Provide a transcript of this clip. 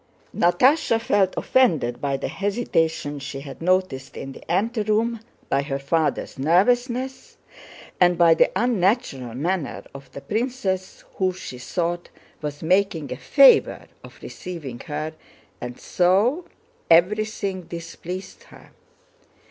Natásha felt offended by the hesitation she had noticed in the anteroom, by her father's nervousness, and by the unnatural manner of the princess who—she thought—was making a favor of receiving her, and so everything displeased her.